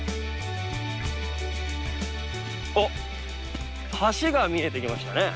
あっ橋が見えてきましたね。